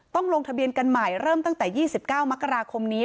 ลงทะเบียนกันใหม่เริ่มตั้งแต่๒๙มกราคมนี้